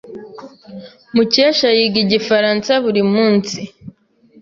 Mukesha yiga igifaransa buri munsi.